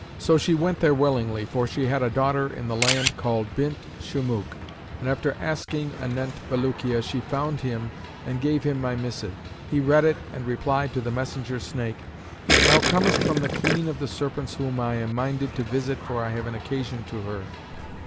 So she went there willingly for she had a daughter in the land called Bint Shumukh[FN#567]; and after asking anent Bulukiya she found him and gave him my missive. He read it and replied to the messenger snake, 'Thou comest from the Queen of the Serpents whom I am minded to visit for I have an occasion to her.'